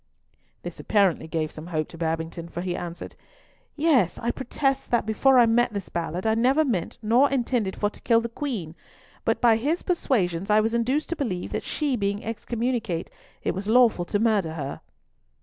This apparently gave some hope to Babington, for he answered—"Yes, I protest that, before I met this Ballard, I never meant nor intended for to kill the Queen; but by his persuasions I was induced to believe that she being excommunicate it was lawful to murder her."